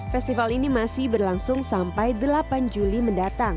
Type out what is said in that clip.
festival ini masih berlangsung sampai delapan juli mendatang